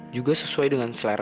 juga sesuai dengan selera